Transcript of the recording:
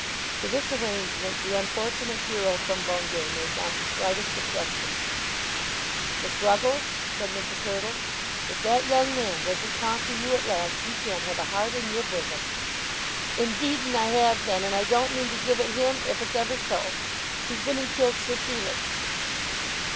To this arrangement the unfortunate hero from Bungay made not the slightest objection. "Miss Ruggles," said Mrs. Hurtle, "if that young man doesn't conquer you at last you can't have a heart in your bosom." "Indeed and I have then, and I don't mean to give it him if it's ever so. He's been and killed Sir Felix."